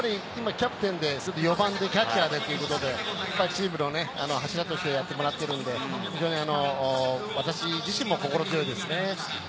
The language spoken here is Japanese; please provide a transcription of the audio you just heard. キャプテンで４番でキャッチャーで、チームの柱としてやってもらっているので、非常に私自身も心強いですね。